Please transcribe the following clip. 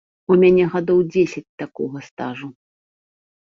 У мяне гадоў дзесяць такога стажу.